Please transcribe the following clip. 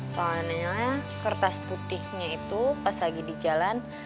soalnya kertas putihnya itu pas lagi di jalan